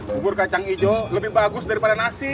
bubur kacang hijau lebih bagus daripada nasi